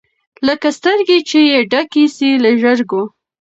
لکه سترګي چي یې ډکي سي له ژرګو